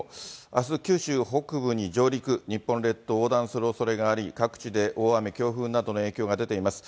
あす九州北部に上陸、日本列島を横断するおそれがあり、各地で大雨、強風などの影響が出ています。